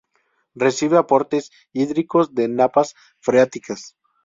Recibe aportes hídricos de napas freáticas.